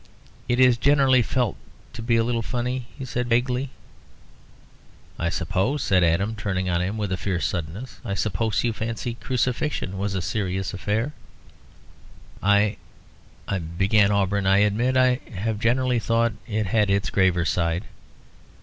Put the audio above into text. "It is generally felt to be a little funny," he said vaguely. "I suppose," said Adam, turning on him with a fierce suddenness "I suppose you fancy crucifixion was a serious affair?" "Well, I " began Auberon "I admit I have generally thought it had its graver side."